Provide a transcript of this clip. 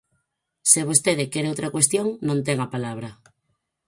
Se vostede quere outra cuestión, non ten a palabra.